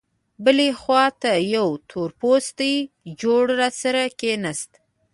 بلې خوا ته یوه تورپوستې جوړه راسره کېناسته.